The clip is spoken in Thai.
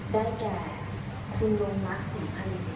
ได้แก่คุณลงรักษีภรี